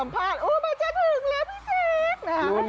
มันจะถึงแล้วพี่เศษ